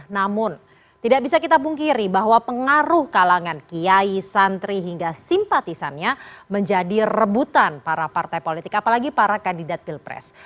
namun tidak bisa kita pungkiri bahwa pengaruh kalangan kiai santri hingga simpatisannya menjadi rebutan para partai politik apalagi para kandidat pilpres